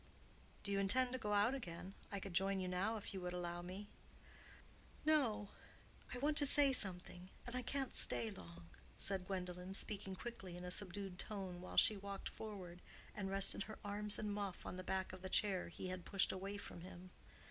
"Do you intend to go out again? I could join you now, if you would allow me." "No; I want to say something, and I can't stay long," said Gwendolen, speaking quickly in a subdued tone, while she walked forward and rested her arms and muff on the back of the chair he had pushed away from him.